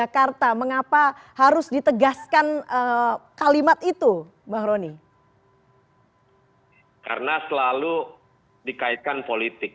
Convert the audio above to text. karena selalu dikaitkan politik